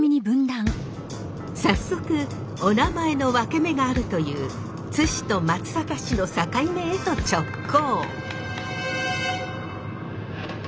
早速おなまえのワケメがあるという津市と松阪市の境目へと直行。